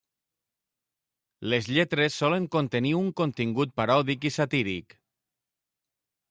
Les lletres solen contenir un contingut paròdic i satíric.